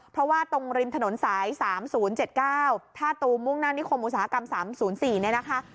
เพราะว่าตรงริมถนนซ้ายสามศูนย์เจ็ดเก้าถ้าตูมุ่งนั่นนิคมอุตสาหกรรมสามศูนย์สี่เนี้ยนะคะ